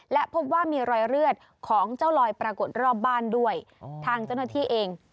และพบว่ามีรอยเลือดของเจ้าลอยปรากฏรอบบ้านด้วยทางเจ้าหน้าที่เอง